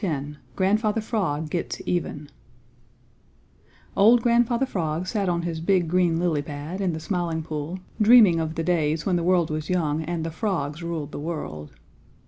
X GRANDFATHER FROG GETS EVEN Old Grandfather Frog sat on his big green lily pad in the Smiling Pool dreaming of the days when the world was young and the frogs ruled the world.